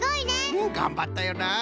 うんがんばったよな。